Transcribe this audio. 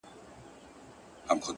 • او طوطي ته یې دوکان وو ورسپارلی,